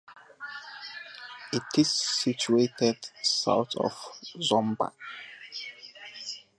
It is situated south of Zomba.